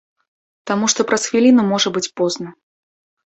Таму што праз хвіліну можа быць позна.